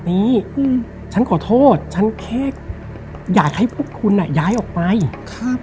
นี้อืมฉันขอโทษฉันแค่อยากให้พวกคุณอ่ะย้ายออกไปครับ